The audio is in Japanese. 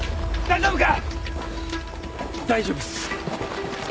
大丈夫っす。